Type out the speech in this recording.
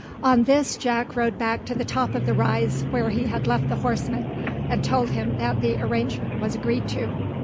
On this Jack rode back to the top of the rise where he had left the horseman, and told him that the arrangement was agreed to.